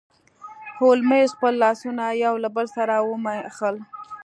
هولمز خپل لاسونه یو له بل سره وموښل.